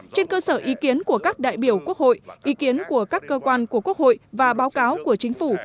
trên cơ sở ý kiến của các đại biểu quốc hội ý kiến của các cơ quan của quốc hội và báo cáo của chính phủ